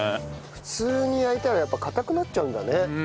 普通に焼いたらやっぱ硬くなっちゃうんだね。